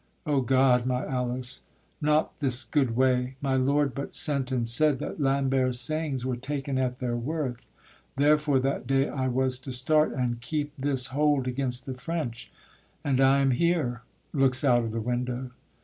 O God, my Alice, Not this good way: my lord but sent and said That Lambert's sayings were taken at their worth, Therefore that day I was to start, and keep This hold against the French; and I am here: [_Looks out of the window.